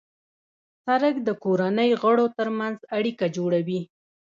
سړک د کورنۍ غړو ترمنځ اړیکه جوړوي.